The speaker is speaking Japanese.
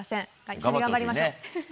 一緒に頑張りましょう。